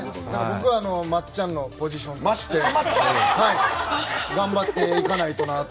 僕はまっちゃんのポジションでして頑張っていかないとなと。